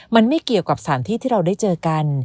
มันไม่เกี่ยวกับสถานที่ที่เราได้เจอกัน